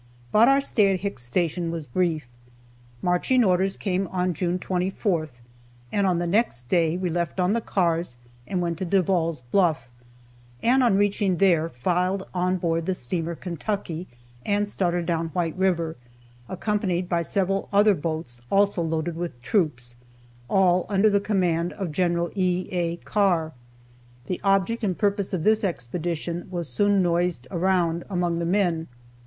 But our stay at Hicks' Station was brief. Marching orders came on June 24th, and on the next day we left on the cars and went to Devall's Bluff, and on reaching there filed on board the steamer "Kentucky," and started down White river, accompanied by several other boats also loaded with troops, all under the command of Gen. E. A. Carr. The object and purpose of this expedition was soon noised around among the men.